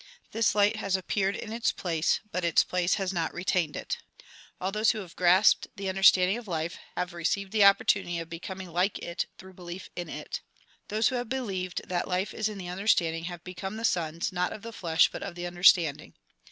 This light has appeared in its place, but its place has not retained it. All those who have grasped the understanding of life have received the opportunity of becoming Mk. i. 1, Jn XX. 31. A PROLOGUE 159 Jn. like it through belief in it. Those who have be lieved that life is in the understanding have become the sons, not of the flesh, but of the understanding.